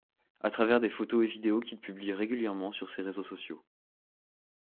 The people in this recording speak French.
A travers des photos et vidéos qu'il publie régulièrement sur ses réseaux sociaux.